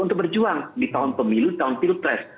untuk berjuang di tahun pemilu tahun pilpres